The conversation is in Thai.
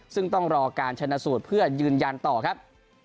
ซึ่งต้องรอการชนะสูตรเพื่อยืนยันต่อครับ